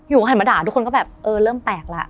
อยู่ก็หันมาด่าทุกคนก็แบบเออเริ่มแตกแล้ว